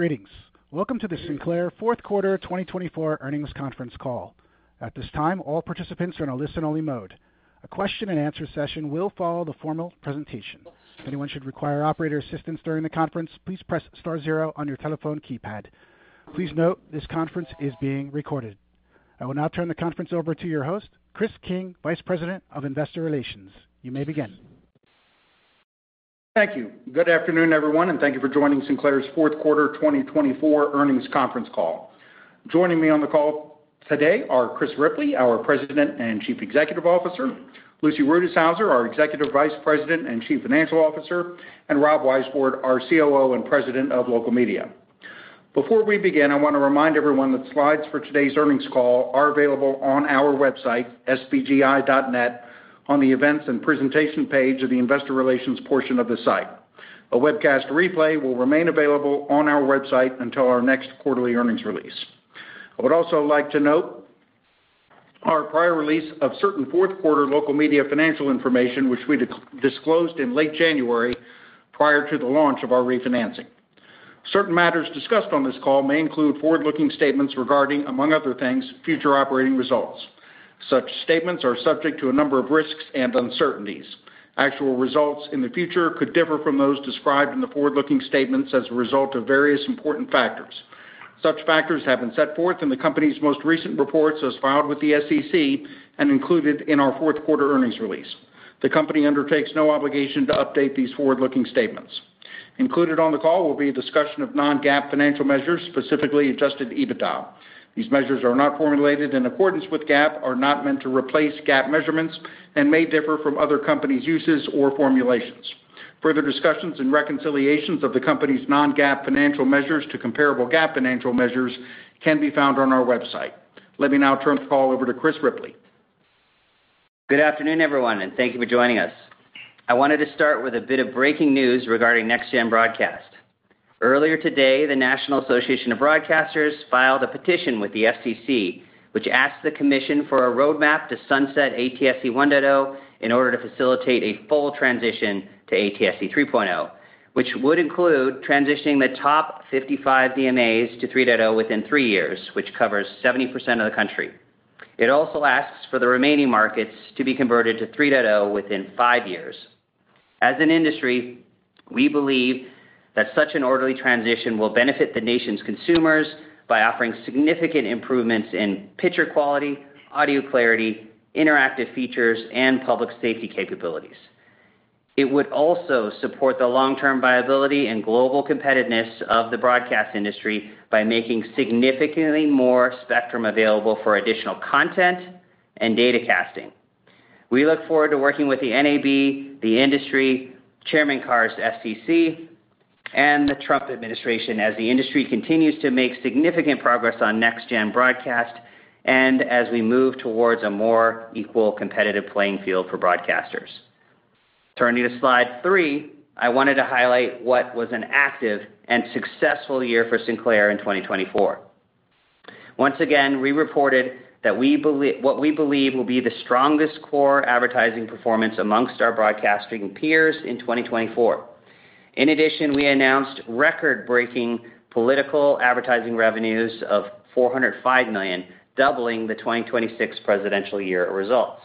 Greetings. Welcome to the Sinclair Fourth Quarter 2024 Earnings Conference call. At this time, all participants are in a listen-only mode. A question-and-answer session will follow the formal presentation. If anyone should require operator assistance during the conference, please press star zero on your telephone keypad. Please note this conference is being recorded. I will now turn the conference over to your host, Chris King, Vice President of Investor Relations. You may begin. Thank you. Good afternoon, everyone, and thank you for joining Sinclair's Fourth Quarter 2024 Earnings Conference call. Joining me on the call today are Chris Ripley, our President and Chief Executive Officer, Lucy Rutishauser, our Executive Vice President and Chief Financial Officer, and Rob Weisbord, our COO and President of Local Media. Before we begin, I want to remind everyone that slides for today's earnings call are available on our website, sbgi.net, on the events and presentation page of the Investor Relations portion of the site. A webcast replay will remain available on our website until our next quarterly earnings release. I would also like to note our prior release of certain fourth-quarter local media financial information, which we disclosed in late January prior to the launch of our refinancing. Certain matters discussed on this call may include forward-looking statements regarding, among other things, future operating results. Such statements are subject to a number of risks and uncertainties. Actual results in the future could differ from those described in the forward-looking statements as a result of various important factors. Such factors have been set forth in the company's most recent reports as filed with the SEC and included in our fourth-quarter earnings release. The company undertakes no obligation to update these forward-looking statements. Included on the call will be a discussion of non-GAAP financial measures, specifically Adjusted EBITDA. These measures are not formulated in accordance with GAAP, are not meant to replace GAAP measurements, and may differ from other companies' uses or formulations. Further discussions and reconciliations of the company's non-GAAP financial measures to comparable GAAP financial measures can be found on our website. Let me now turn the call over to Chris Ripley. Good afternoon, everyone, and thank you for joining us. I wanted to start with a bit of breaking news regarding NextGen Broadcast. Earlier today, the National Association of Broadcasters filed a petition with the SEC, which asked the Commission for a roadmap to sunset ATSC 1.0 in order to facilitate a full transition to ATSC 3.0, which would include transitioning the top 55 DMAs to 3.0 within three years, which covers 70% of the country. It also asks for the remaining markets to be converted to 3.0 within five years. As an industry, we believe that such an orderly transition will benefit the nation's consumers by offering significant improvements in picture quality, audio clarity, interactive features, and public safety capabilities. It would also support the long-term viability and global competitiveness of the broadcast industry by making significantly more spectrum available for additional content and data casting. We look forward to working with the NAB, the industry, Chairman Carr's FCC, and the Trump administration as the industry continues to make significant progress on NextGen Broadcast and as we move towards a more equal, competitive playing field for broadcasters. Turning to slide three, I wanted to highlight what was an active and successful year for Sinclair in 2024. Once again, we reported that what we believe will be the strongest core advertising performance among our broadcasting peers in 2024. In addition, we announced record-breaking political advertising revenues of $405 million, doubling the 2026 presidential year results.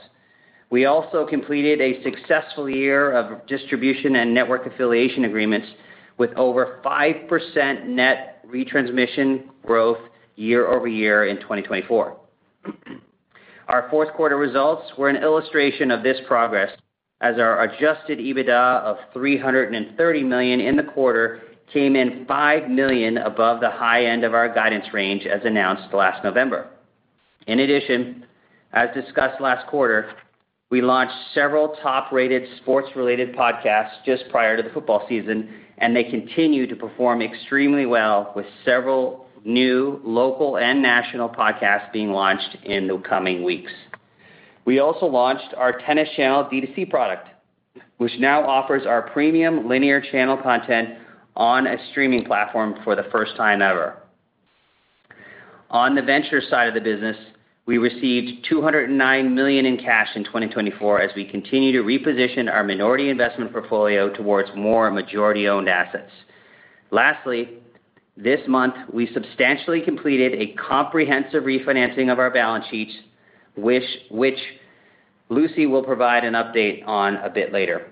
We also completed a successful year of distribution and network affiliation agreements with over 5% net retransmission growth year over year in 2024. Our fourth-quarter results were an illustration of this progress as our Adjusted EBITDA of $330 million in the quarter came in $5 million above the high end of our guidance range as announced last November. In addition, as discussed last quarter, we launched several top-rated sports-related podcasts just prior to the football season, and they continue to perform extremely well with several new local and national podcasts being launched in the coming weeks. We also launched our Tennis Channel D2C product, which now offers our premium linear channel content on a streaming platform for the first time ever. On the venture side of the business, we received $209 million in cash in 2024 as we continue to reposition our minority investment portfolio towards more majority-owned assets. Lastly, this month, we substantially completed a comprehensive refinancing of our balance sheets, which Lucy will provide an update on a bit later.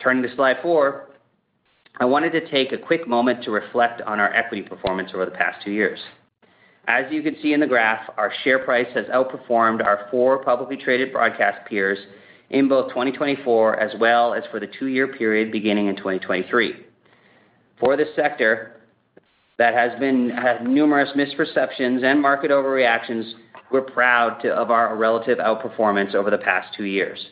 Turning to slide four, I wanted to take a quick moment to reflect on our equity performance over the past two years. As you can see in the graph, our share price has outperformed our four publicly traded broadcast peers in both 2024 as well as for the two-year period beginning in 2023. For this sector, that has been numerous misperceptions and market overreactions, we're proud of our relative outperformance over the past two years.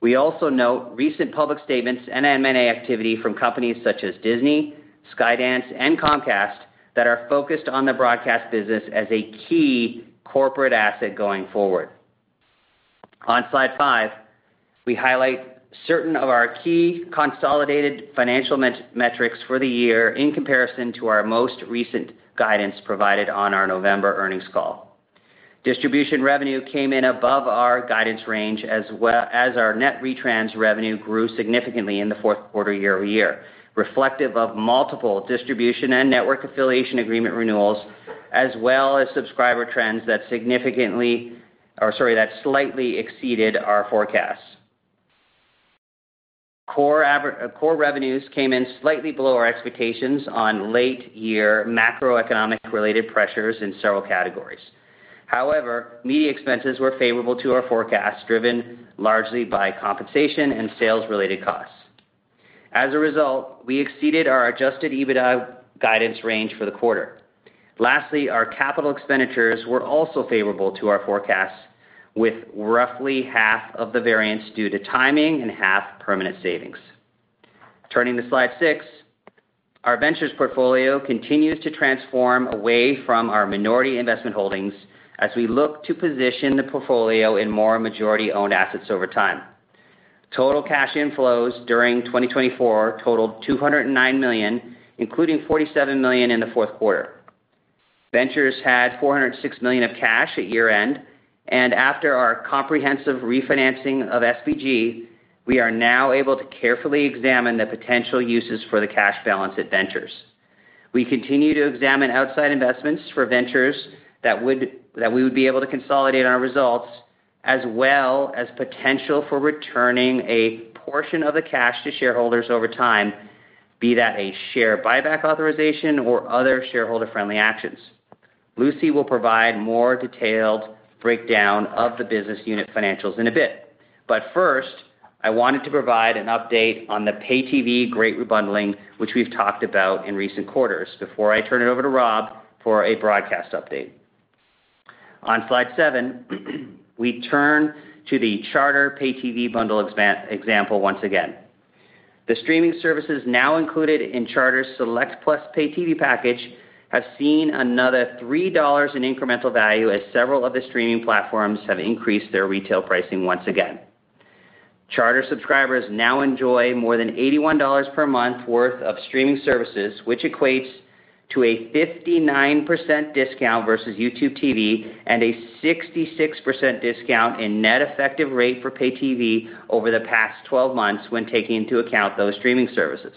We also note recent public statements and M&A activity from companies such as Disney, Skydance, and Comcast that are focused on the broadcast business as a key corporate asset going forward. On slide five, we highlight certain of our key consolidated financial metrics for the year in comparison to our most recent guidance provided on our November earnings call. Distribution revenue came in above our guidance range as our net retrans revenue grew significantly in the fourth quarter year over year, reflective of multiple distribution and network affiliation agreement renewals, as well as subscriber trends that slightly exceeded our forecasts. Core revenues came in slightly below our expectations on late-year macroeconomic-related pressures in several categories. However, media expenses were favorable to our forecast, driven largely by compensation and sales-related costs. As a result, we exceeded our Adjusted EBITDA guidance range for the quarter. Lastly, our capital expenditures were also favorable to our forecasts, with roughly half of the variance due to timing and half permanent savings. Turning to slide six, our ventures portfolio continues to transform away from our minority investment holdings as we look to position the portfolio in more majority-owned assets over time. Total cash inflows during 2024 totaled $209 million, including $47 million in the fourth quarter. Ventures had $406 million of cash at year-end, and after our comprehensive refinancing of SBG, we are now able to carefully examine the potential uses for the cash balance at Ventures. We continue to examine outside investments for Ventures that we would be able to consolidate on our results, as well as potential for returning a portion of the cash to shareholders over time, be that a share buyback authorization or other shareholder-friendly actions. Lucy will provide a more detailed breakdown of the business unit financials in a bit. But first, I wanted to provide an update on the Pay TV Great Rebundling, which we've talked about in recent quarters. Before I turn it over to Rob for a broadcast update, on slide seven, we turn to the Charter Pay TV bundle example once again. The streaming services now included in Charter's Select Plus Pay TV package have seen another $3 in incremental value as several of the streaming platforms have increased their retail pricing once again. Charter subscribers now enjoy more than $81 per month worth of streaming services, which equates to a 59% discount versus YouTube TV and a 66% discount in net effective rate for Pay TV over the past 12 months when taking into account those streaming services.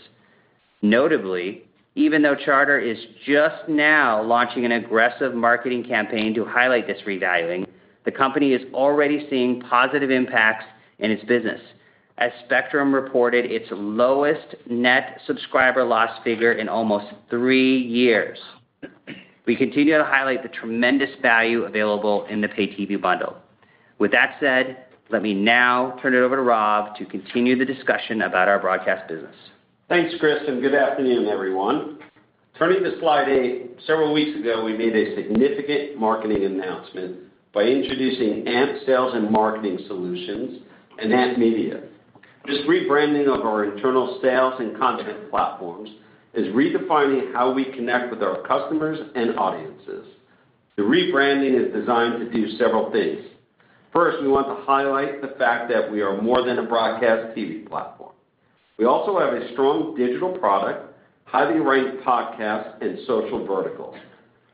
Notably, even though Charter is just now launching an aggressive marketing campaign to highlight this revaluing, the company is already seeing positive impacts in its business. As Spectrum reported, its lowest net subscriber loss figure in almost three years. We continue to highlight the tremendous value available in the Pay TV bundle. With that said, let me now turn it over to Rob to continue the discussion about our broadcast business. Thanks, Chris, and good afternoon, everyone. Turning to slide eight, several weeks ago, we made a significant marketing announcement by introducing AMP Sales and Marketing Solutions and AMP Media. This rebranding of our internal sales and content platforms is redefining how we connect with our customers and audiences. The rebranding is designed to do several things. First, we want to highlight the fact that we are more than a broadcast TV platform. We also have a strong digital product, highly ranked podcasts, and social verticals.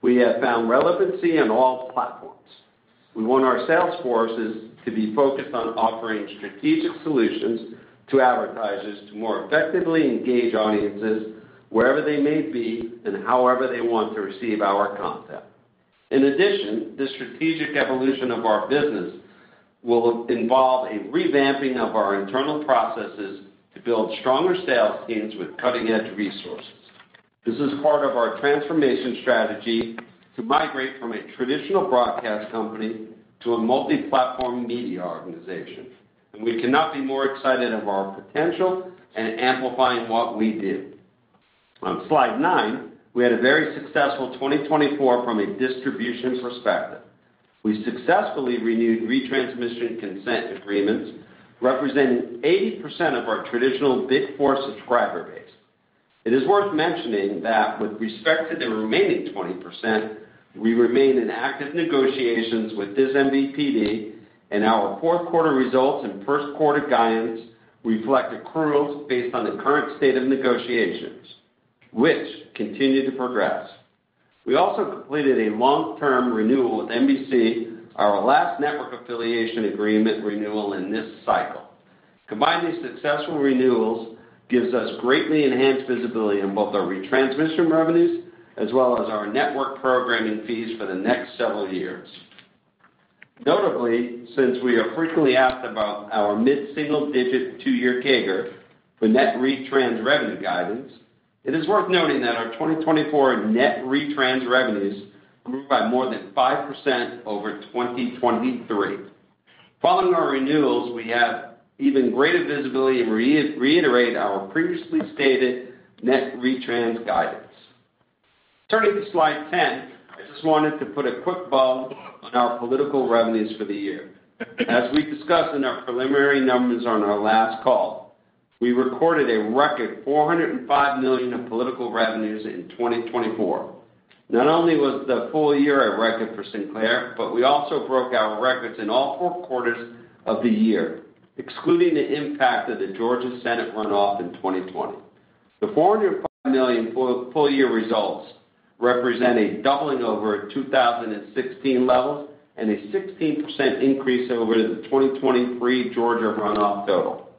We have found relevancy on all platforms. We want our sales forces to be focused on offering strategic solutions to advertisers to more effectively engage audiences wherever they may be and however they want to receive our content. In addition, the strategic evolution of our business will involve a revamping of our internal processes to build stronger sales teams with cutting-edge resources. This is part of our transformation strategy to migrate from a traditional broadcast company to a multi-platform media organization, and we cannot be more excited about our potential and amplifying what we do. On slide nine, we had a very successful 2024 from a distribution perspective. We successfully renewed retransmission consent agreements, representing 80% of our traditional Big Four subscriber base. It is worth mentioning that with respect to the remaining 20%, we remain in active negotiations with these MVPDs, and our fourth-quarter results and first-quarter guidance reflect accruals based on the current state of negotiations, which continue to progress. We also completed a long-term renewal with NBC, our last network affiliation agreement renewal in this cycle. Combining successful renewals gives us greatly enhanced visibility on both our retransmission revenues as well as our network programming fees for the next several years. Notably, since we are frequently asked about our mid-single-digit two-year CAGR for net retrans revenue guidance, it is worth noting that our 2024 net retrans revenues grew by more than 5% over 2023. Following our renewals, we have even greater visibility and reiterate our previously stated net retrans guidance. Turning to slide 10, I just wanted to put a quick bow on our political revenues for the year. As we discussed in our preliminary numbers on our last call, we recorded a record $405 million of political revenues in 2024. Not only was the full year a record for Sinclair, but we also broke our records in all four quarters of the year, excluding the impact of the Georgia Senate runoff in 2020. The $405 million full-year results represent a doubling over 2016 levels and a 16% increase over the 2023 Georgia runoff total.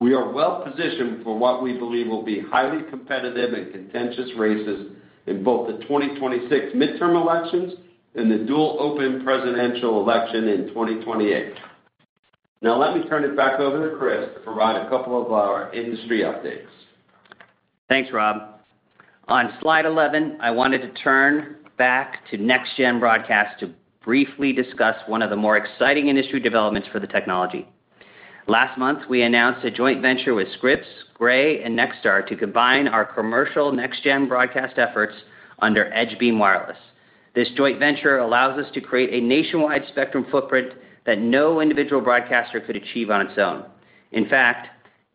We are well-positioned for what we believe will be highly competitive and contentious races in both the 2026 midterm elections and the dual-open presidential election in 2028. Now, let me turn it back over to Chris to provide a couple of our industry updates. Thanks, Rob. On slide 11, I wanted to turn back to NextGen Broadcast to briefly discuss one of the more exciting industry developments for the technology. Last month, we announced a joint venture with Scripps, Gray, and Nexstar to combine our commercial NextGen Broadcast efforts under BitPath. This joint venture allows us to create a nationwide spectrum footprint that no individual broadcaster could achieve on its own. In fact,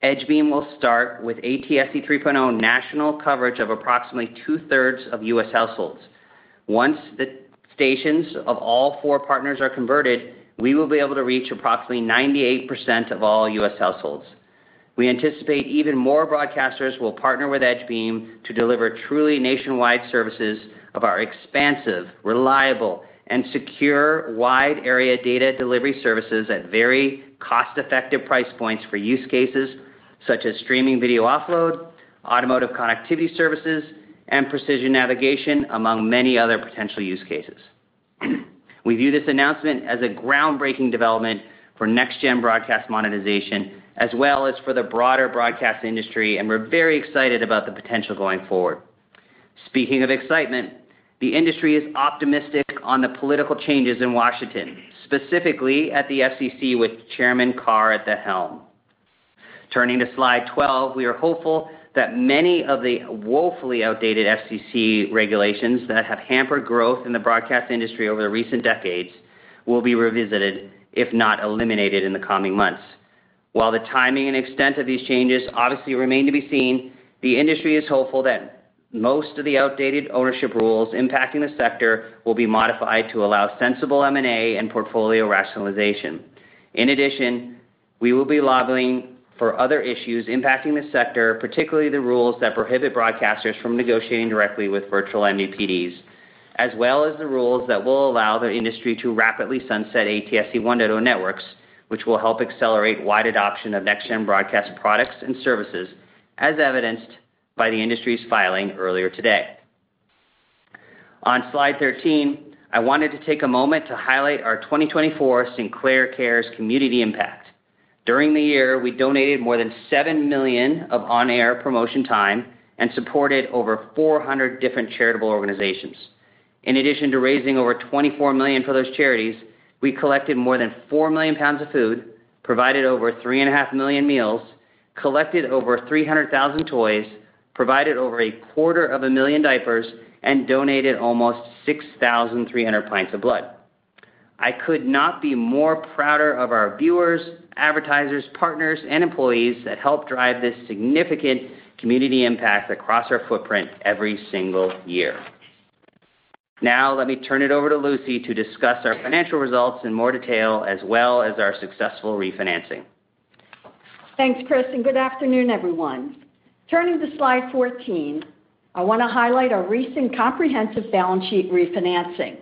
BitPath will start with ATSC 3.0 national coverage of approximately two-thirds of U.S. households. Once the stations of all four partners are converted, we will be able to reach approximately 98% of all U.S. households. We anticipate even more broadcasters will partner with Bitto deliver truly nationwide services of our expansive, reliable, and secure wide-area data delivery services at very cost-effective price points for use cases such as streaming video offload, automotive connectivity services, and precision navigation, among many other potential use cases. We view this announcement as a groundbreaking development for NextGen Broadcast monetization, as well as for the broader broadcast industry, and we're very excited about the potential going forward. Speaking of excitement, the industry is optimistic on the political changes in Washington, specifically at the FCC with Chairman Carr at the helm. Turning to slide 12, we are hopeful that many of the woefully outdated FCC regulations that have hampered growth in the broadcast industry over the recent decades will be revisited, if not eliminated, in the coming months. While the timing and extent of these changes obviously remain to be seen, the industry is hopeful that most of the outdated ownership rules impacting the sector will be modified to allow sensible M&A and portfolio rationalization. In addition, we will be lobbying for other issues impacting the sector, particularly the rules that prohibit broadcasters from negotiating directly with virtual MVPDs, as well as the rules that will allow the industry to rapidly sunset ATSC 1.0 networks, which will help accelerate wide adoption of NextGen Broadcast products and services, as evidenced by the industry's filing earlier today. On Slide 13, I wanted to take a moment to highlight our 2024 Sinclair Cares community impact. During the year, we donated more than $7 million of on-air promotion time and supported over 400 different charitable organizations. In addition to raising over $24 million for those charities, we collected more than $4 million of food, provided over $3.5 million meals, collected over 300,000 toys, provided over 250,000 diapers, and donated almost 6,300 pints of blood. I could not be more prouder of our viewers, advertisers, partners, and employees that help drive this significant community impact across our footprint every single year. Now, let me turn it over to Lucy to discuss our financial results in more detail, as well as our successful refinancing. Thanks, Chris, and good afternoon, everyone. Turning to slide 14, I want to highlight our recent comprehensive balance sheet refinancing.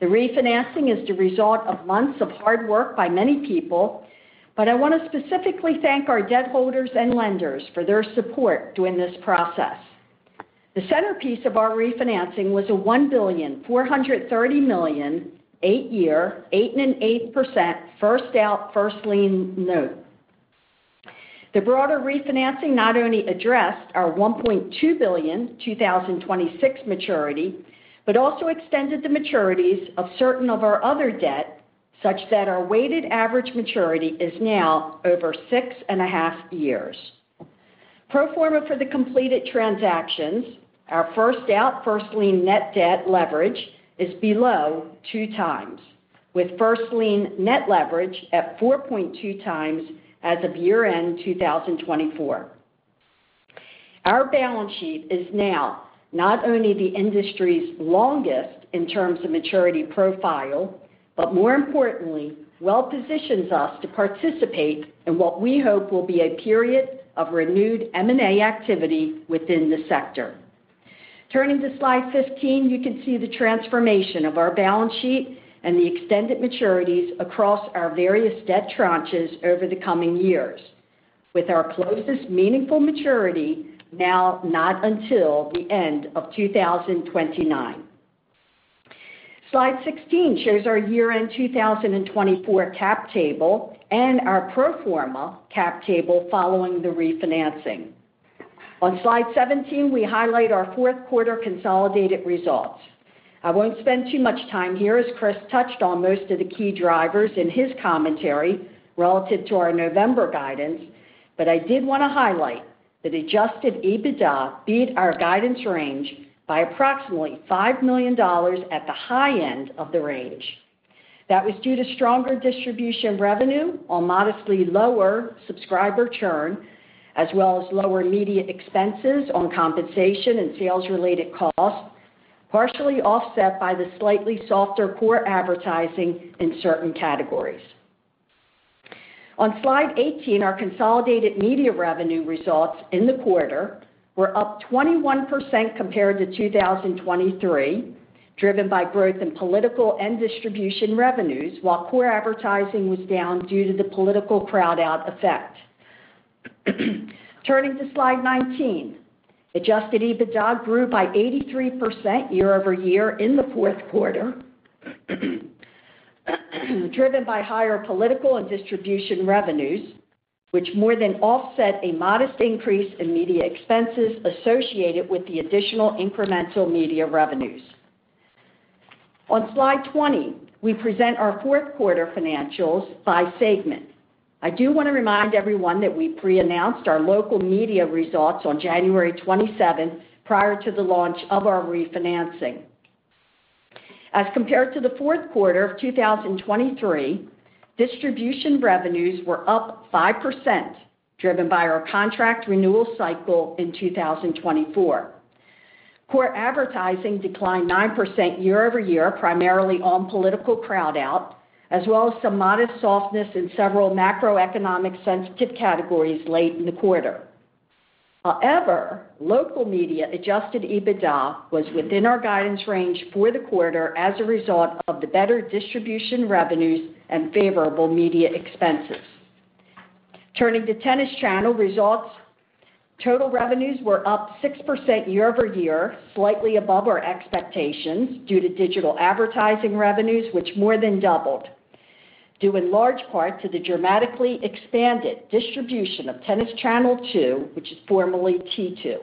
The refinancing is the result of months of hard work by many people, but I want to specifically thank our debt holders and lenders for their support during this process. The centerpiece of our refinancing was a $1.43 billion eight-year, 8.8% first out, first lien note. The broader refinancing not only addressed our $1.2 billion 2026 maturity, but also extended the maturities of certain of our other debt, such that our weighted average maturity is now over six and a half years. Pro forma for the completed transactions, our first out, first lien net debt leverage is below two times, with first lien net leverage at 4.2 times as of year-end 2024. Our balance sheet is now not only the industry's longest in terms of maturity profile, but more importantly, well-positioned us to participate in what we hope will be a period of renewed M&A activity within the sector. Turning to slide 15, you can see the transformation of our balance sheet and the extended maturities across our various debt tranches over the coming years, with our closest meaningful maturity now not until the end of 2029. Slide 16 shows our year-end 2024 cap table and our pro forma cap table following the refinancing. On slide 17, we highlight our fourth-quarter consolidated results. I won't spend too much time here, as Chris touched on most of the key drivers in his commentary relative to our November guidance, but I did want to highlight that Adjusted EBITDA beat our guidance range by approximately $5 million at the high end of the range. That was due to stronger distribution revenue on modestly lower subscriber churn, as well as lower media expenses on compensation and sales-related costs, partially offset by the slightly softer core advertising in certain categories. On slide 18, our consolidated media revenue results in the quarter were up 21% compared to 2023, driven by growth in political and distribution revenues, while core advertising was down due to the political crowd-out effect. Turning to slide 19, Adjusted EBITDA grew by 83% year over year in the fourth quarter, driven by higher political and distribution revenues, which more than offset a modest increase in media expenses associated with the additional incremental media revenues. On slide 20, we present our fourth-quarter financials by segment. I do want to remind everyone that we pre-announced our local media results on January 27 prior to the launch of our refinancing. As compared to the fourth quarter of 2023, distribution revenues were up 5%, driven by our contract renewal cycle in 2024. Core advertising declined 9% year over year, primarily on political crowd-out, as well as some modest softness in several macroeconomic-sensitive categories late in the quarter. However, local media adjusted EBITDA was within our guidance range for the quarter as a result of the better distribution revenues and favorable media expenses. Turning to Tennis Channel results, total revenues were up 6% year over year, slightly above our expectations due to digital advertising revenues, which more than doubled, due in large part to the dramatically expanded distribution of Tennis Channel 2, which is formerly T2.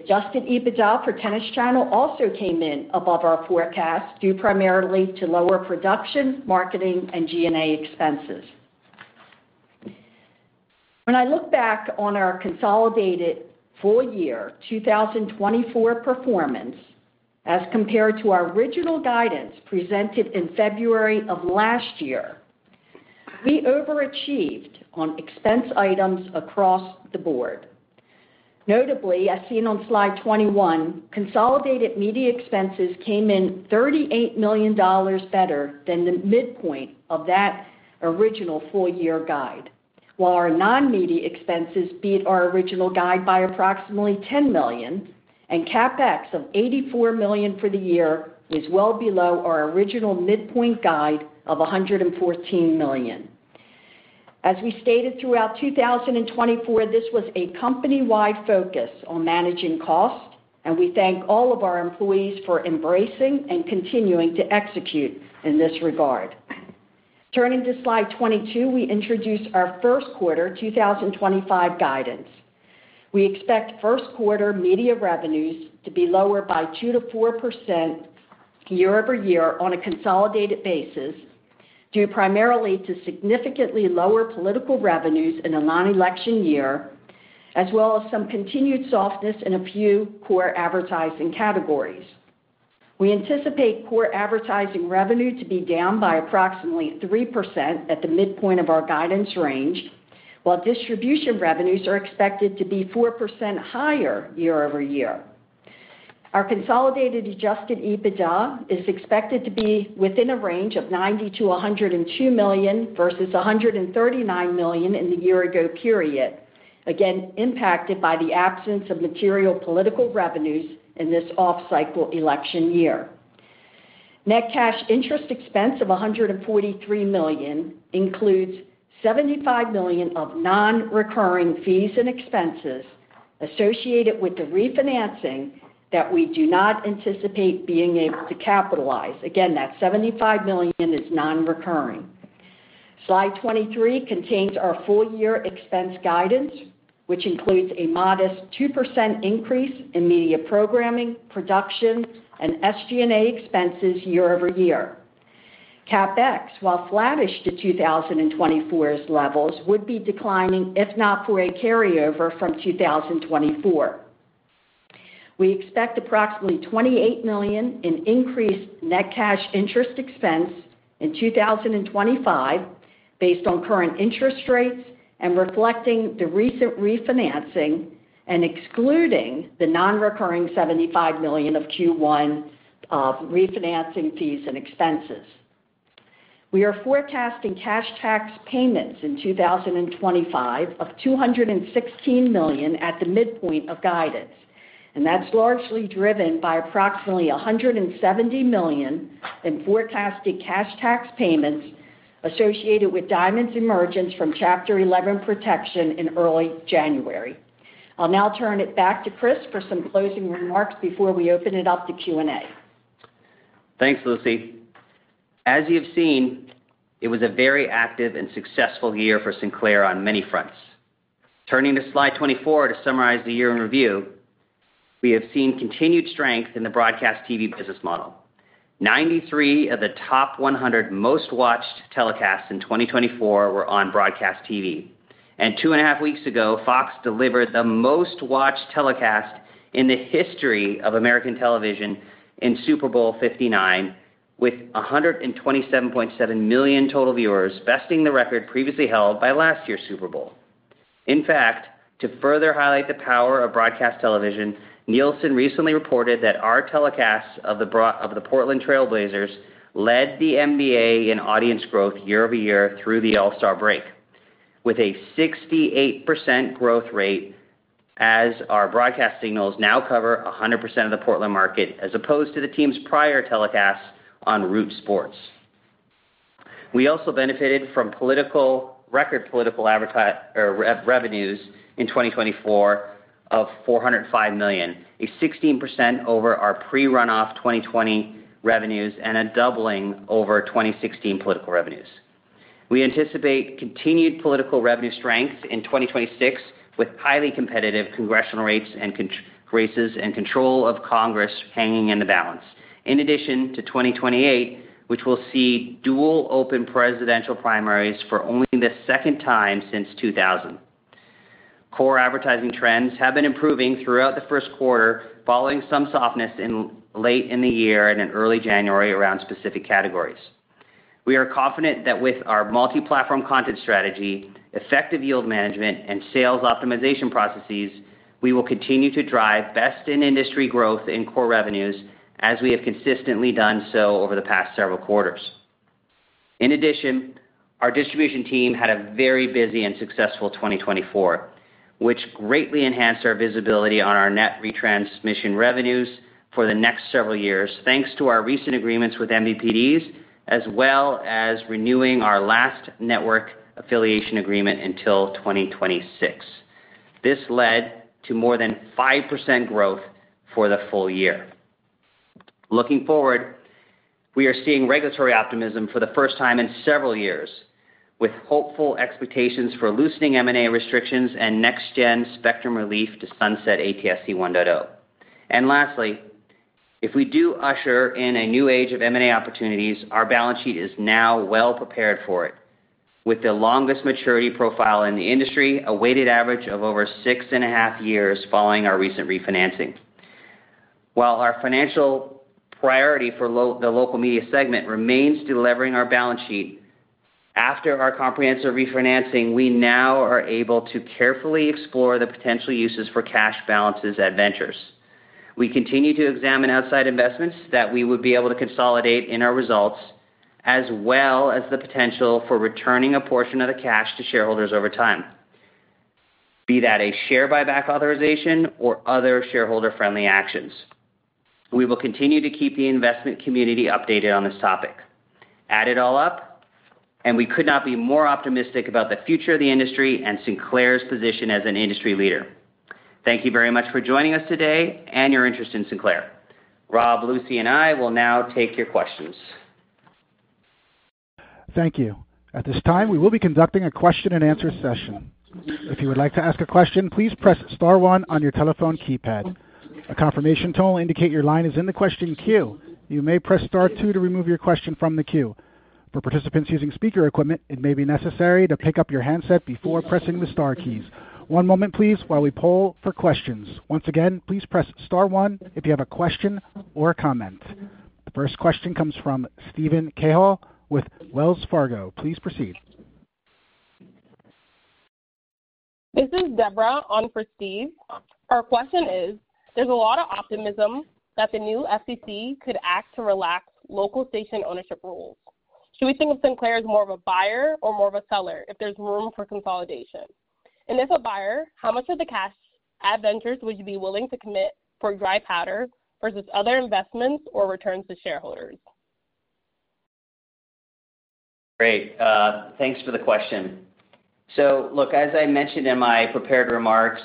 Adjusted EBITDA for Tennis Channel also came in above our forecast, due primarily to lower production, marketing, and G&A expenses. When I look back on our consolidated full-year 2024 performance as compared to our original guidance presented in February of last year, we overachieved on expense items across the board. Notably, as seen on slide 21, consolidated media expenses came in $38 million better than the midpoint of that original full-year guide, while our non-media expenses beat our original guide by approximately $10 million, and CapEx of $84 million for the year was well below our original midpoint guide of $114 million. As we stated throughout 2024, this was a company-wide focus on managing costs, and we thank all of our employees for embracing and continuing to execute in this regard. Turning to slide 22, we introduce our first quarter 2025 guidance. We expect first-quarter media revenues to be lower by 2% to 4% year over year on a consolidated basis, due primarily to significantly lower political revenues in the non-election year, as well as some continued softness in a few core advertising categories. We anticipate core advertising revenue to be down by approximately 3% at the midpoint of our guidance range, while distribution revenues are expected to be 4% higher year over year. Our consolidated Adjusted EBITDA is expected to be within a range of $90 million to $102 million versus $139 million in the year-ago period, again impacted by the absence of material political revenues in this off-cycle election year. Net cash interest expense of $143 million includes $75 million of non-recurring fees and expenses associated with the refinancing that we do not anticipate being able to capitalize. Again, that $75 million is non-recurring. Slide 23 contains our full-year expense guidance, which includes a modest 2% increase in media programming, production, and SG&A expenses year over year. CapEx, while flattish to 2024's levels, would be declining if not for a carryover from 2024. We expect approximately $28 million in increased net cash interest expense in 2025, based on current interest rates and reflecting the recent refinancing and excluding the non-recurring $75 million of Q1 refinancing fees and expenses. We are forecasting cash tax payments in 2025 of $216 million at the midpoint of guidance, and that's largely driven by approximately $170 million in forecasted cash tax payments associated with Diamond's emergence from Chapter 11 protection in early January. I'll now turn it back to Chris for some closing remarks before we open it up to Q&A. Thanks, Lucy. As you've seen, it was a very active and successful year for Sinclair on many fronts. Turning to slide 24 to summarize the year in review, we have seen continued strength in the broadcast TV business model. 93 of the top 100 most-watched telecasts in 2024 were on broadcast TV, and two and a half weeks ago, Fox delivered the most-watched telecast in the history of American television in Super Bowl LIX, with 127.7 million total viewers, besting the record previously held by last year's Super Bowl. In fact, to further highlight the power of broadcast television, Nielsen recently reported that our telecasts of the Portland Trail Blazers led the NBA in audience growth year over year through the All-Star break, with a 68% growth rate, as our broadcast signals now cover 100% of the Portland market, as opposed to the team's prior telecasts on Root Sports. We also benefited from record political revenues in 2024 of $405 million, a 16% over our pre-runoff 2020 revenues and a doubling over 2016 political revenues. We anticipate continued political revenue strength in 2026, with highly competitive congressional races and control of Congress hanging in the balance, in addition to 2028, which will see dual open presidential primaries for only the second time since 2000. Core advertising trends have been improving throughout the first quarter, following some softness late in the year and in early January around specific categories. We are confident that with our multi-platform content strategy, effective yield management, and sales optimization processes, we will continue to drive best-in-industry growth in core revenues, as we have consistently done so over the past several quarters. In addition, our distribution team had a very busy and successful 2024, which greatly enhanced our visibility on our net retransmission revenues for the next several years, thanks to our recent agreements with MVPDs, as well as renewing our last network affiliation agreement until 2026. This led to more than 5% growth for the full year. Looking forward, we are seeing regulatory optimism for the first time in several years, with hopeful expectations for loosening M&A restrictions and next-gen spectrum relief to sunset ATSC 1.0. And lastly, if we do usher in a new age of M&A opportunities, our balance sheet is now well-prepared for it, with the longest maturity profile in the industry, a weighted average of over six and a half years following our recent refinancing. While our financial priority for the local media segment remains deleveraging our balance sheet, after our comprehensive refinancing, we now are able to carefully explore the potential uses for cash balances at ventures. We continue to examine outside investments that we would be able to consolidate in our results, as well as the potential for returning a portion of the cash to shareholders over time, be that a share buyback authorization or other shareholder-friendly actions. We will continue to keep the investment community updated on this topic. Add it all up, and we could not be more optimistic about the future of the industry and Sinclair's position as an industry leader. Thank you very much for joining us today and your interest in Sinclair. Rob, Lucy, and I will now take your questions. Thank you. At this time, we will be conducting a question-and-answer session. If you would like to ask a question, please press Star 1 on your telephone keypad. A confirmation tone will indicate your line is in the question queue. You may press Star 2 to remove your question from the queue. For participants using speaker equipment, it may be necessary to pick up your handset before pressing the Star keys. One moment, please, while we poll for questions. Once again, please press Star 1 if you have a question or a comment. The first question comes from Steven Cahill with Wells Fargo. Please proceed. This is Deborah on for Steve. Our question is, there's a lot of optimism that the new FCC could act to relax local station ownership rules. Should we think of Sinclair as more of a buyer or more of a seller if there's room for consolidation? And if a buyer, how much of the cash at ventures would you be willing to commit for dry powder versus other investments or returns to shareholders? Great. Thanks for the question. So, look, as I mentioned in my prepared remarks,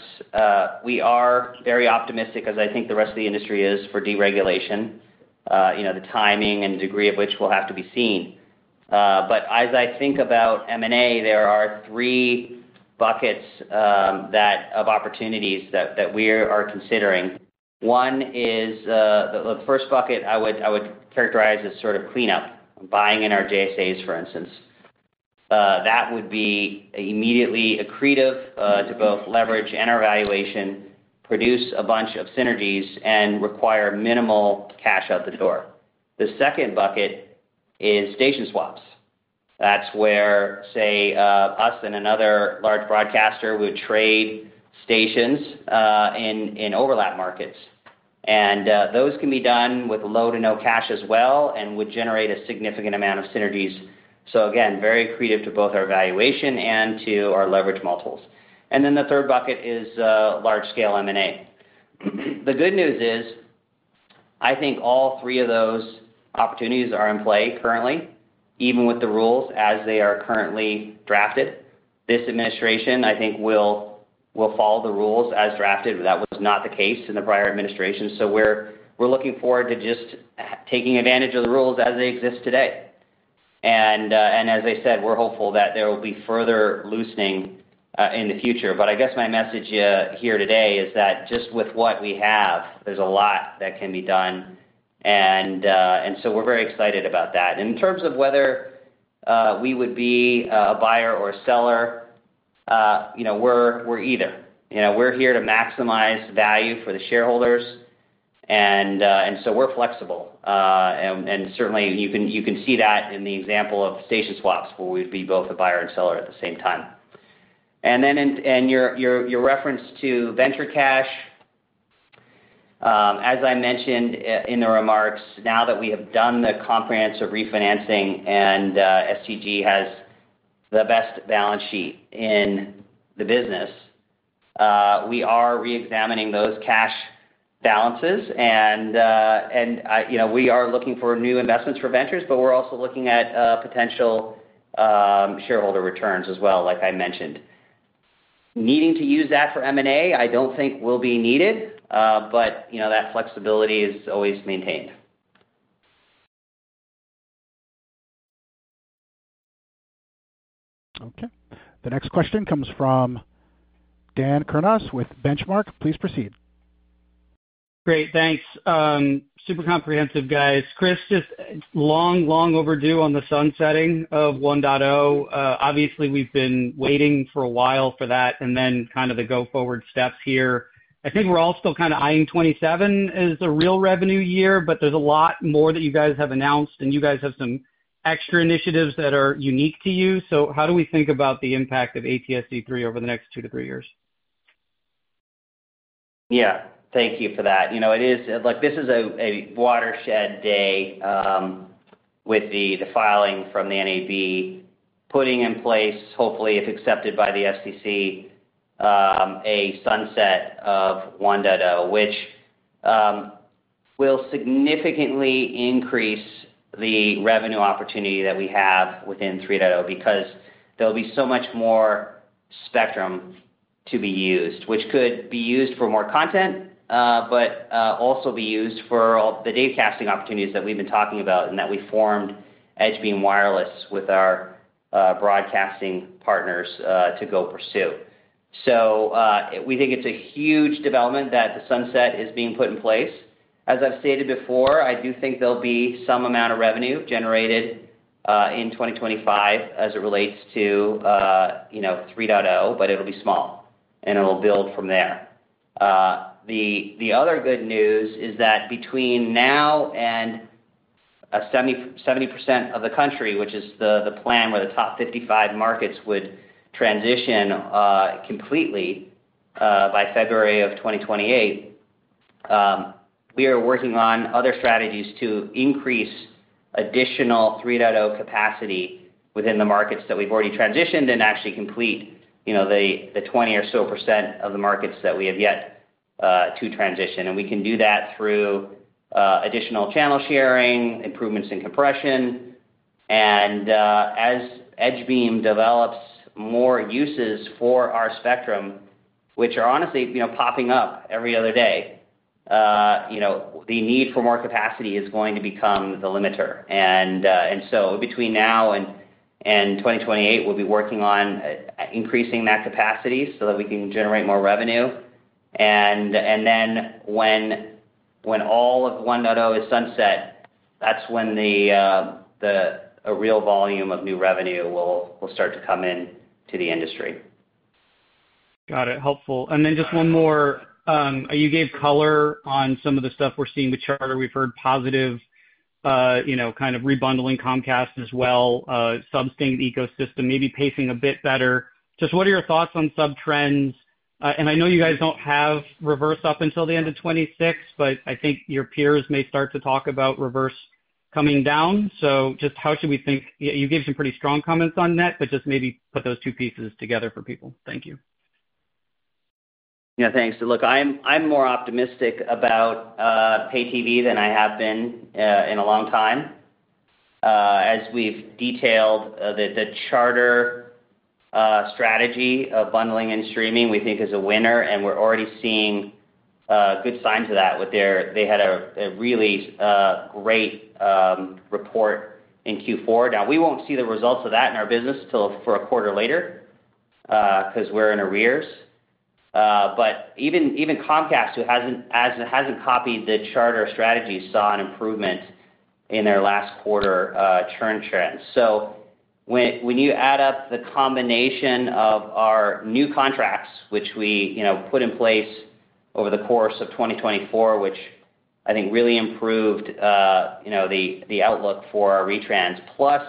we are very optimistic, as I think the rest of the industry is, for deregulation. The timing and degree of which will have to be seen. But as I think about M&A, there are three buckets of opportunities that we are considering. One is the first bucket I would characterize as sort of cleanup, buying in our JSAs, for instance. That would be immediately accretive to both leverage and our valuation, produce a bunch of synergies, and require minimal cash out the door. The second bucket is station swaps. That's where, say, us and another large broadcaster would trade stations in overlap markets. And those can be done with low to no cash as well and would generate a significant amount of synergies. So, again, very accretive to both our valuation and to our leverage multiples. And then the third bucket is large-scale M&A. The good news is, I think all three of those opportunities are in play currently, even with the rules as they are currently drafted. This administration, I think, will follow the rules as drafted. That was not the case in the prior administration. So we're looking forward to just taking advantage of the rules as they exist today. And as I said, we're hopeful that there will be further loosening in the future. But I guess my message here today is that just with what we have, there's a lot that can be done. And so we're very excited about that. In terms of whether we would be a buyer or a seller, we're either. We're here to maximize value for the shareholders. And so we're flexible. Certainly, you can see that in the example of station swaps, where we would be both a buyer and seller at the same time. Then your reference to venture cash, as I mentioned in the remarks, now that we have done the comprehensive refinancing and STG has the best balance sheet in the business, we are reexamining those cash balances. We are looking for new investments for ventures, but we're also looking at potential shareholder returns as well, like I mentioned. Needing to use that for M&A, I don't think will be needed, but that flexibility is always maintained. Okay. The next question comes from Dan Kurnos with Benchmark. Please proceed. Great. Thanks. Super comprehensive, guys. Chris, just long, long overdue on the sunsetting of 1.0. Obviously, we've been waiting for a while for that and then kind of the go-forward steps here. I think we're all still kind of eyeing 2027 as a real revenue year, but there's a lot more that you guys have announced, and you guys have some extra initiatives that are unique to you. So how do we think about the impact of ATSC 3 over the next two to three years? Yeah. Thank you for that. This is a watershed day with the filing from the NAB, putting in place, hopefully, if accepted by the FCC, a sunset of 1.0, which will significantly increase the revenue opportunity that we have within 3.0 because there'll be so much more spectrum to be used, which could be used for more content, but also be used for the datacasting opportunities that we've been talking about and that we formed EdgeBeam with our broadcasting partners to go pursue. So we think it's a huge development that the sunset is being put in place. As I've stated before, I do think there'll be some amount of revenue generated in 2025 as it relates to 3.0, but it'll be small, and it'll build from there. The other good news is that between now and 70% of the country, which is the plan where the top 55 markets would transition completely by February of 2028, we are working on other strategies to increase additional 3.0 capacity within the markets that we've already transitioned and actually complete the 20% or so of the markets that we have yet to transition. And we can do that through additional channel sharing, improvements in compression. And as EdgeBeam develops more uses for our spectrum, which are honestly popping up every other day, the need for more capacity is going to become the limiter. And so between now and 2028, we'll be working on increasing that capacity so that we can generate more revenue. And then when all of 1.0 is sunset, that's when a real volume of new revenue will start to come into the industry. Got it. Helpful. And then just one more. You gave color on some of the stuff we're seeing with Charter. We've heard positive kind of rebundling Comcast as well, subscriber ecosystem maybe pacing a bit better. Just what are your thoughts on subscriber trends? And I know you guys don't have reverse up until the end of 2026, but I think your peers may start to talk about reverse coming down. So just how should we think? You gave some pretty strong comments on that, but just maybe put those two pieces together for people. Thank you. Yeah. Thanks. Look, I'm more optimistic about Pay TV than I have been in a long time. As we've detailed the Charter strategy of bundling and streaming, we think is a winner. And we're already seeing good signs of that with their—they had a really great report in Q4. Now, we won't see the results of that in our business until for a quarter later because we're in arrears. But even Comcast, who hasn't copied the Charter strategy, saw an improvement in their last quarter churn trend. When you add up the combination of our new contracts, which we put in place over the course of 2024, which I think really improved the outlook for our retrans, plus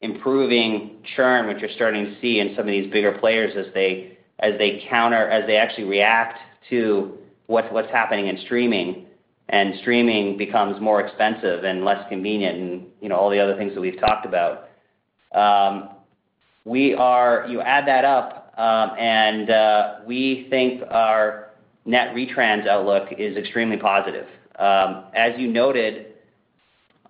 improving churn, which you're starting to see in some of these bigger players as they counter, as they actually react to what's happening in streaming, and streaming becomes more expensive and less convenient and all the other things that we've talked about. You add that up, and we think our net retrans outlook is extremely positive. As you noted,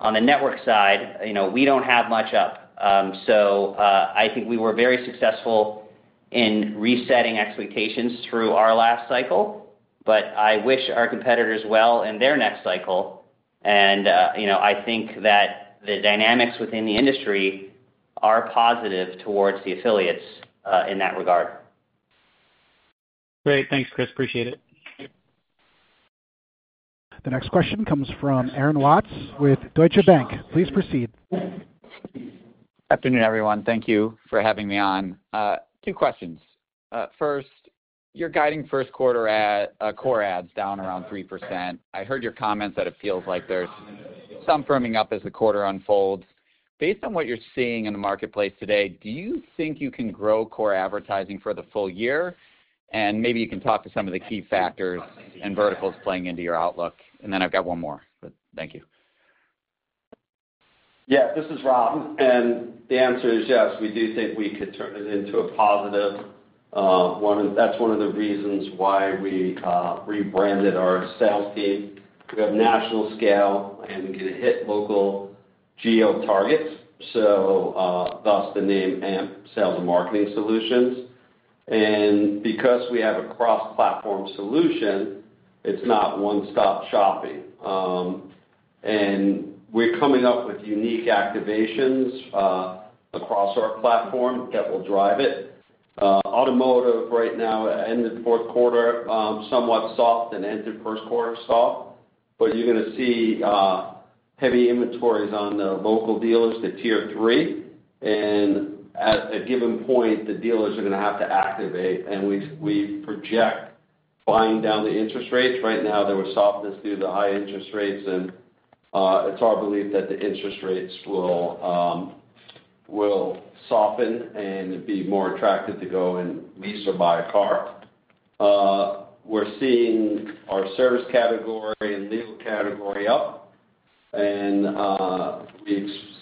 on the network side, we don't have much up. I think we were very successful in resetting expectations through our last cycle, but I wish our competitors well in their next cycle. I think that the dynamics within the industry are positive towards the affiliates in that regard. Great. Thanks, Chris. Appreciate it. The next question comes from Aaron Watts with Deutsche Bank. Please proceed. Good afternoon, everyone. Thank you for having me on. Two questions. First, you're guiding first quarter core ads down around 3%. I heard your comments that it feels like there's some firming up as the quarter unfolds. Based on what you're seeing in the marketplace today, do you think you can grow core advertising for the full year? And maybe you can talk to some of the key factors and verticals playing into your outlook. And then I've got one more, but thank you. Yeah. This is Rob. And the answer is yes. We do think we could turn it into a positive one. That's one of the reasons why we rebranded our sales team. We have national scale and can hit local geo targets, so thus the name AMP Sales and Marketing Solutions. And because we have a cross-platform solution, it's not one-stop shopping. And we're coming up with unique activations across our platform that will drive it. Automotive right now, end of fourth quarter, somewhat soft and end of first quarter soft, but you're going to see heavy inventories on the local dealers, the tier three. And at a given point, the dealers are going to have to activate. And we project buying down the interest rates. Right now, there was softness due to the high interest rates, and it's our belief that the interest rates will soften and be more attractive to go and lease or buy a car. We're seeing our service category and legal category up, and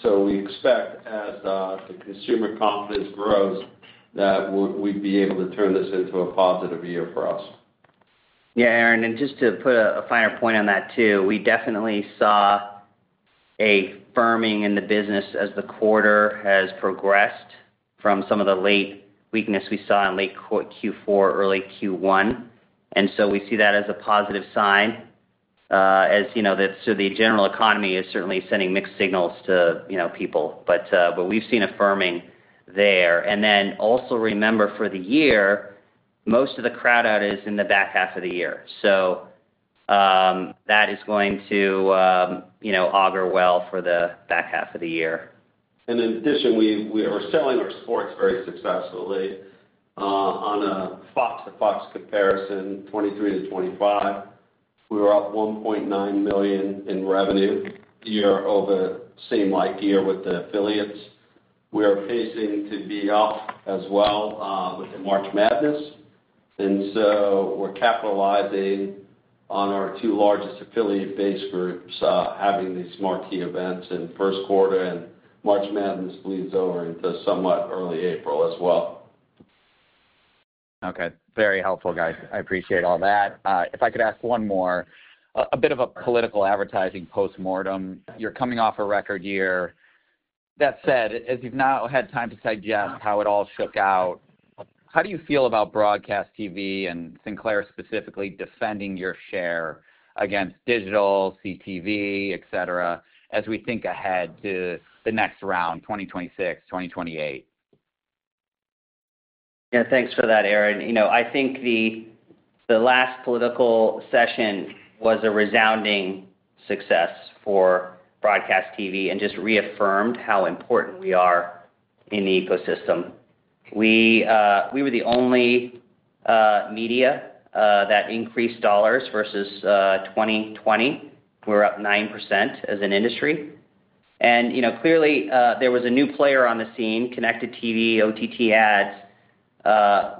so we expect, as the consumer confidence grows, that we'd be able to turn this into a positive year for us. Yeah, Aaron. And just to put a finer point on that too, we definitely saw a firming in the business as the quarter has progressed from some of the late weakness we saw in late Q4, early Q1. And so we see that as a positive sign. So the general economy is certainly sending mixed signals to people, but we've seen a firming there. And then also remember, for the year, most of the crowd out is in the back half of the year. So that is going to augur well for the back half of the year. In addition, we are selling our sports very successfully. On a Fox to Fox comparison, 2023 to 2025, we were up $1.9 million in revenue year over year with the affiliates. We are poised to be up as well with the March Madness. We are capitalizing on our two largest affiliate base groups, having these marquee events in first quarter, and March Madness bleeds over into somewhat early April as well. Okay. Very helpful, guys. I appreciate all that. If I could ask one more, a bit of a political advertising post-mortem. You're coming off a record year. That said, as you've now had time to digest how it all shook out, how do you feel about broadcast TV and Sinclair specifically defending your share against digital, CTV, etc., as we think ahead to the next round, 2026, 2028? Yeah. Thanks for that, Aaron. I think the last political session was a resounding success for broadcast TV and just reaffirmed how important we are in the ecosystem. We were the only media that increased dollars versus 2020. We were up 9% as an industry, and clearly, there was a new player on the scene, connected TV, OTT ads,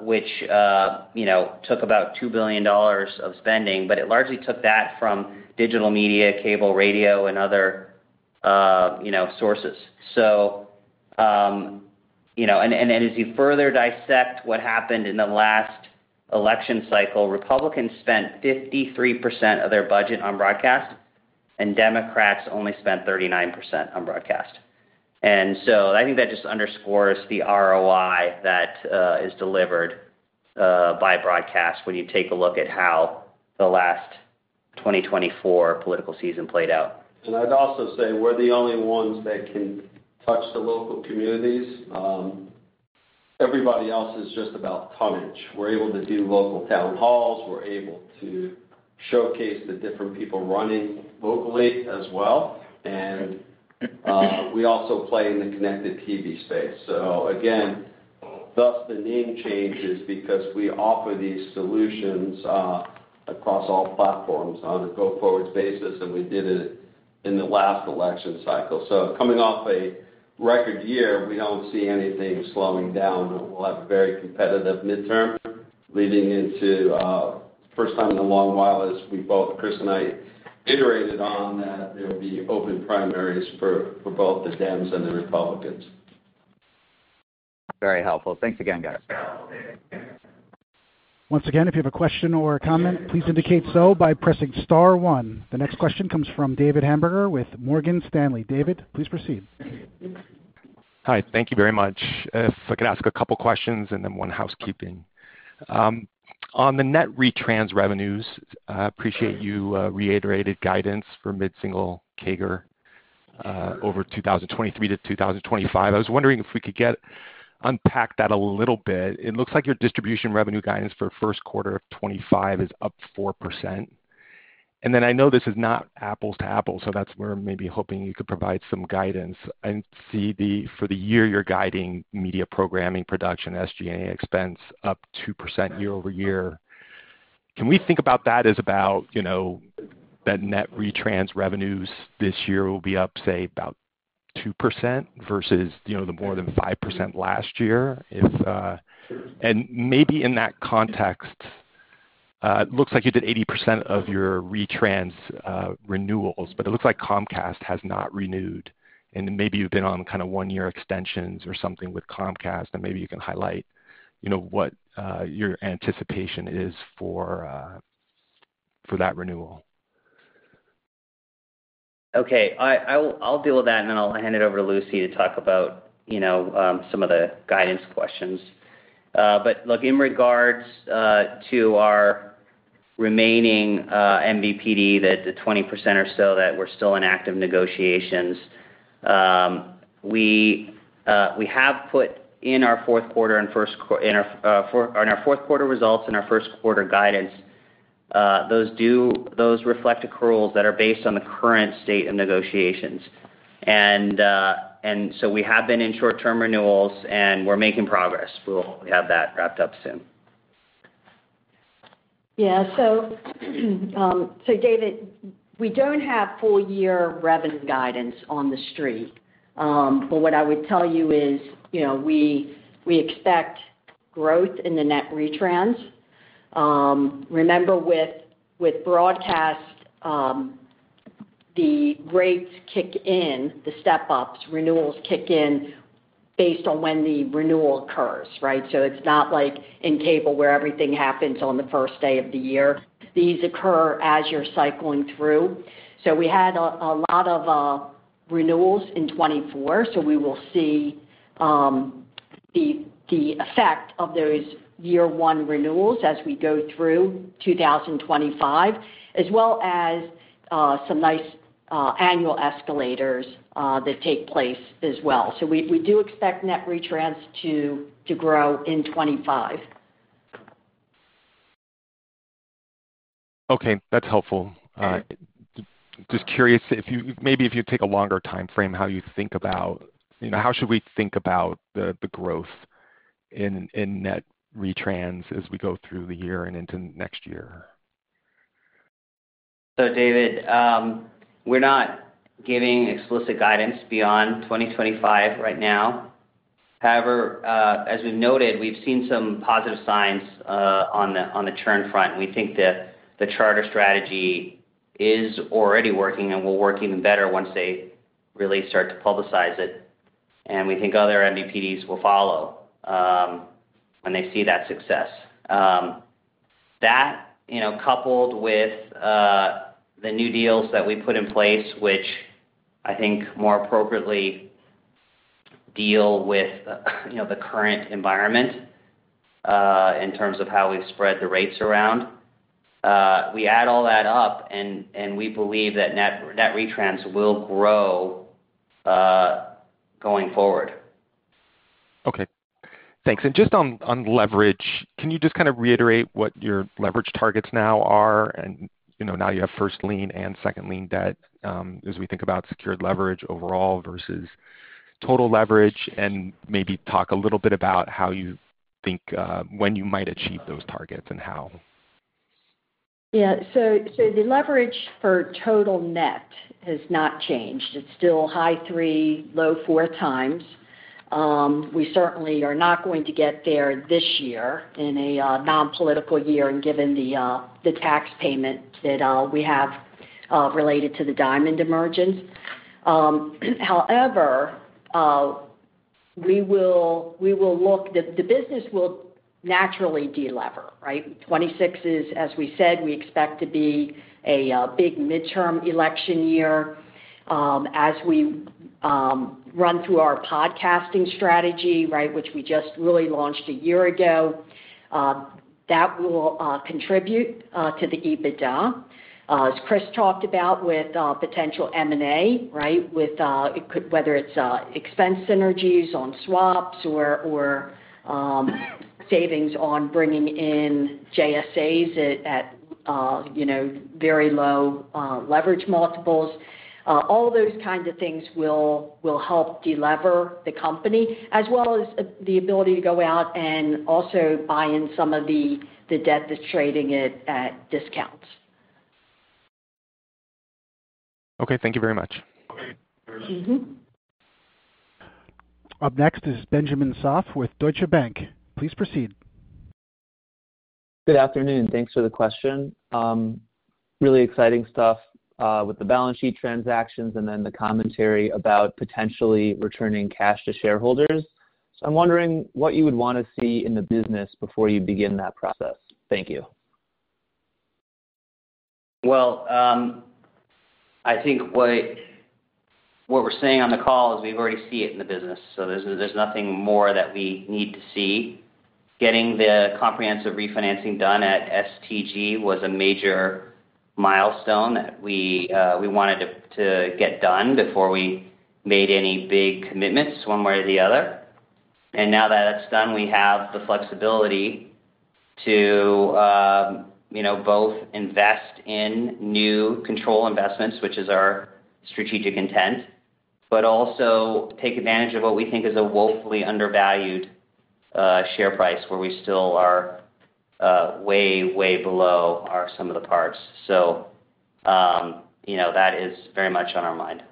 which took about $2 billion of spending, but it largely took that from digital media, cable, radio, and other sources, and as you further dissect what happened in the last election cycle, Republicans spent 53% of their budget on broadcast, and Democrats only spent 39% on broadcast, and so I think that just underscores the ROI that is delivered by broadcast when you take a look at how the last 2024 political season played out. I'd also say we're the only ones that can touch the local communities. Everybody else is just about tonnage. We're able to do local town halls. We're able to showcase the different people running locally as well. And we also play in the connected TV space. So again, thus the name changes because we offer these solutions across all platforms on a go-forward basis, and we did it in the last election cycle. So coming off a record year, we don't see anything slowing down. We'll have a very competitive midterm leading into first time in a long while as we both, Chris and I, iterated on that there will be open primaries for both the Dems and the Republicans. Very helpful. Thanks again, guys. Once again, if you have a question or a comment, please indicate so by pressing star one. The next question comes from David Hamburger with Morgan Stanley. David, please proceed. Hi. Thank you very much. If I could ask a couple of questions and then one housekeeping. On the net retrans revenues, I appreciate you reiterated guidance for mid-single CAGR over 2023 to 2025. I was wondering if we could get unpacked that a little bit. It looks like your distribution revenue guidance for first quarter of 2025 is up 4%. And then I know this is not apples to apples, so that's where maybe hoping you could provide some guidance. I see for the year you're guiding media programming production, SG&A expense up 2% year over year. Can we think about that as about that net retrans revenues this year will be up, say, about 2% versus the more than 5% last year? And maybe in that context, it looks like you did 80% of your retrans renewals, but it looks like Comcast has not renewed. And maybe you've been on kind of one-year extensions or something with Comcast, and maybe you can highlight what your anticipation is for that renewal? Okay. I'll deal with that, and then I'll hand it over to Lucy to talk about some of the guidance questions. But look, in regards to our remaining MVPD, the 20% or so that we're still in active negotiations, we have put in our fourth quarter and our fourth quarter results and our first quarter guidance. Those reflect accruals that are based on the current state of negotiations. And so we have been in short-term renewals, and we're making progress. We'll have that wrapped up soon. Yeah. So, David, we don't have full-year revenue guidance on the street. But what I would tell you is we expect growth in the net retrans. Remember, with broadcast, the rates kick in, the step-ups, renewals kick in based on when the renewal occurs, right? So it's not like in cable where everything happens on the first day of the year. These occur as you're cycling through. So we had a lot of renewals in 2024, so we will see the effect of those year-one renewals as we go through 2025, as well as some nice annual escalators that take place as well. So we do expect net retrans to grow in 2025. Okay. That's helpful. Just curious, if you take a longer time frame, how should we think about the growth in net retrans as we go through the year and into next year? So David, we're not giving explicit guidance beyond 2025 right now. However, as we've noted, we've seen some positive signs on the churn front. We think that the Charter strategy is already working, and we'll work even better once they really start to publicize it. And we think other MVPDs will follow when they see that success. That, coupled with the new deals that we put in place, which I think more appropriately deal with the current environment in terms of how we've spread the rates around, we add all that up, and we believe that net retrans will grow going forward. Okay. Thanks. And just on leverage, can you just kind of reiterate what your leverage targets now are? And now you have first lien and second lien debt as we think about secured leverage overall versus total leverage, and maybe talk a little bit about how you think when you might achieve those targets and how. Yeah. So the leverage for total net has not changed. It's still high three, low four times. We certainly are not going to get there this year in a non-political year and given the tax payment that we have related to the Diamond emergence. However, we will look, the business will naturally de-lever, right? 2026 is, as we said, we expect to be a big midterm election year. As we run through our podcasting strategy, right, which we just really launched a year ago, that will contribute to the EBITDA, as Chris talked about, with potential M&A, right, whether it's expense synergies on swaps or savings on bringing in JSAs at very low leverage multiples. All those kinds of things will help de-lever the company, as well as the ability to go out and also buy in some of the debt that's trading at discounts. Okay. Thank you very much. Up next is Benjamin Soff with Deutsche Bank. Please proceed. Good afternoon. Thanks for the question. Really exciting stuff with the balance sheet transactions and then the commentary about potentially returning cash to shareholders. So I'm wondering what you would want to see in the business before you begin that process. Thank you. I think what we're seeing on the call is we already see it in the business. So there's nothing more that we need to see. Getting the comprehensive refinancing done at STG was a major milestone that we wanted to get done before we made any big commitments one way or the other, and now that it's done, we have the flexibility to both invest in new control investments, which is our strategic intent, but also take advantage of what we think is a woefully undervalued share price where we still are way, way below sum of the parts, so that is very much on our mind.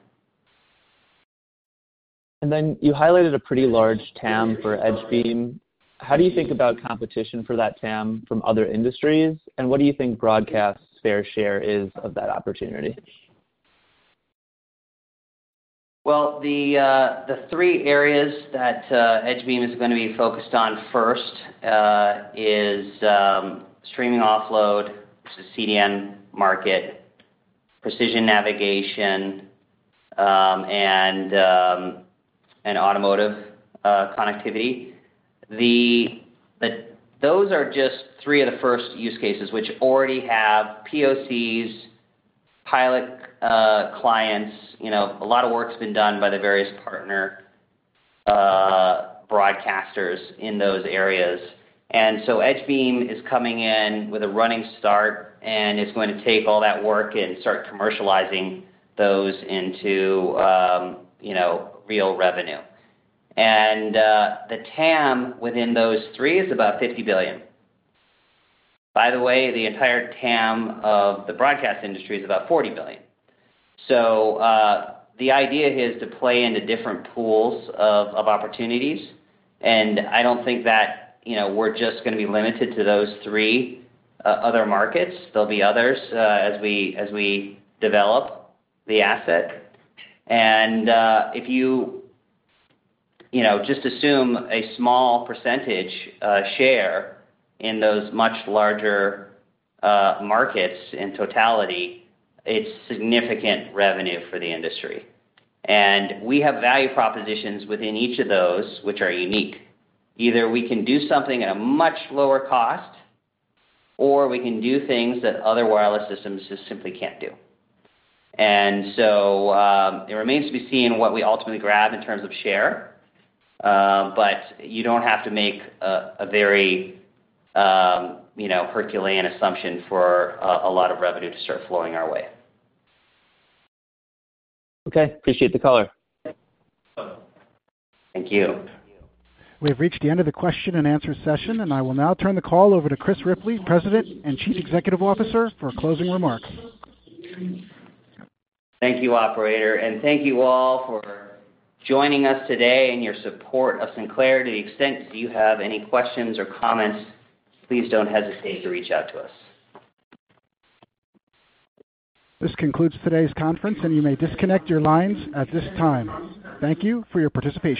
And then you highlighted a pretty large TAM for EdgeBeam. How do you think about competition for that TAM from other industries? And what do you think broadcast's fair share is of that opportunity? The three areas that EdgeBeam is going to be focused on first is streaming offload, which is CDN market, precision navigation, and automotive connectivity. Those are just three of the first use cases, which already have POCs, pilot clients. A lot of work has been done by the various partner broadcasters in those areas. So EdgeBeam is coming in with a running start, and it's going to take all that work and start commercializing those into real revenue. And the TAM within those three is about $50 billion. By the way, the entire TAM of the broadcast industry is about $40 billion. So the idea is to play into different pools of opportunities. And I don't think that we're just going to be limited to those three other markets. There'll be others as we develop the asset. And if you just assume a small percentage share in those much larger markets in totality, it's significant revenue for the industry. And we have value propositions within each of those, which are unique. Either we can do something at a much lower cost, or we can do things that other wireless systems just simply can't do. And so it remains to be seen what we ultimately grab in terms of share. But you don't have to make a very Herculean assumption for a lot of revenue to start flowing our way. Okay. Appreciate the color. Thank you. We have reached the end of the question and answer session, and I will now turn the call over to Chris Ripley, President and Chief Executive Officer, for closing remarks. Thank you, Operator, and thank you all for joining us today and your support of Sinclair. To the extent you have any questions or comments, please don't hesitate to reach out to us. This concludes today's conference, and you may disconnect your lines at this time. Thank you for your participation.